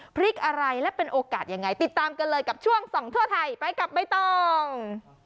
พริกอะไรและเป็นโอกาสยังไงติดตามกันเลยกับช่วงส่องทั่วไทยไปกับใบตอง